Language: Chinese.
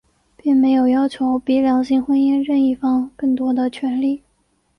并没有要求比两性婚姻任一方更多的权利。